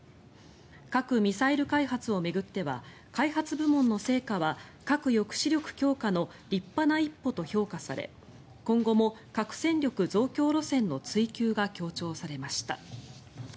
核・ミサイル開発を巡っては開発部門の成果は核抑止力強化の立派な一歩と評価され今後も核戦力増強路線の追求が強調されました。